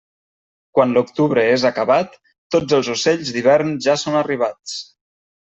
Quan l'octubre és acabat, tots els ocells d'hivern ja són arribats.